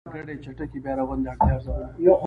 د ګډې چټکې بيا رغونې د اړتیاوو ارزونه